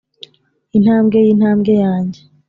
intambwe yintambwe yanjye,